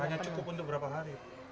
hanya cukup untuk berapa hari